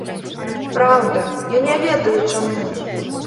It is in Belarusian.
Праўда, я не ведаю, чаму!